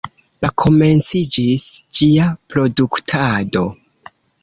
La komenciĝis ĝia produktado.